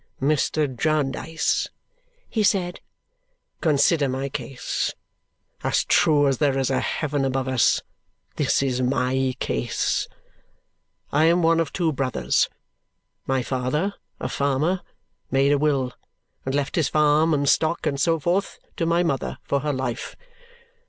"Mr. Jarndyce," he said, "consider my case. As true as there is a heaven above us, this is my case. I am one of two brothers. My father (a farmer) made a will and left his farm and stock and so forth to my mother for her life.